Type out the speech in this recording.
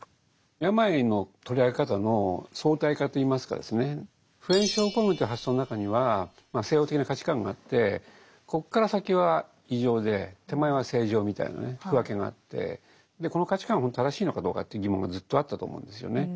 病の取り上げ方の相対化といいますか普遍症候群という発想の中にはまあ西欧的な価値観があってここから先は異常で手前は正常みたいなね区分けがあってこの価値観はほんと正しいのかどうかという疑問がずっとあったと思うんですよね。